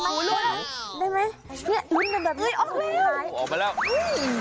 โอ้หูลงได้ไหมหึ้นมันแบบนี้หูหายออกมาแล้วอืมอืม